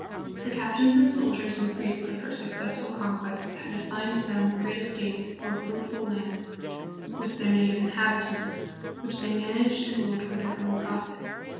The captains and soldiers and priests of her successful con quests had assigned to them great estates or fruitful lands with their native inhabitants, which they managed and ruled for their own profit.